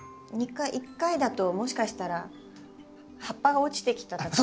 １回だともしかしたら葉っぱが落ちてきたとか。